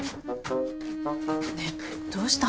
ねえどうしたの？